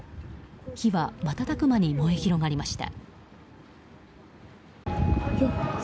火は、瞬く間に燃え広がりました。